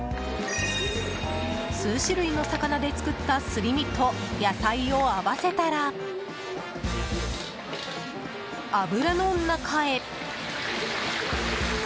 数種類の魚で作ったすり身と野菜を合わせたら油の中へ。